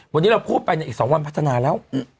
วันนี้เราพูดไปในอีก๒วันพัฒนาแล้ว